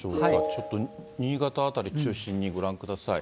ちょっと新潟辺り中心にご覧ください。